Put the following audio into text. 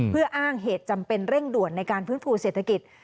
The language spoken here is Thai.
เพื่ออ้างเหตุจำเป็นเร่งด่วนในการฟื้นฟูเศรษฐกิจ